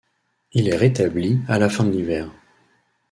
Il est rétabli à la fin de l'hiver.